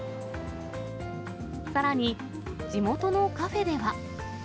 さらに地元のカフェでは。